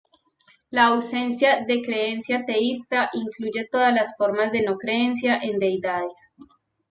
La "ausencia de creencia teísta" incluye todas las formas de "no creencia" en deidades.